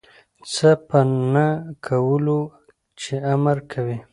څه په نه کولو چی امر کوی